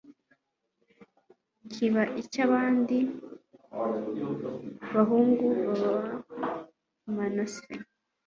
kiba icy'abandi bahungu ba manase